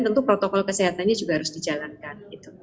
tentu protokol kesehatannya juga harus dijalankan